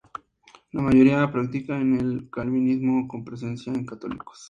La mayoría practica el calvinismo, con presencia de católicos.